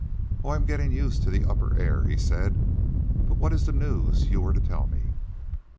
"Oh, I'm getting used to the upper air," he said. "But what is the news you were to tell me?"